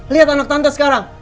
lihat anak tante sekarang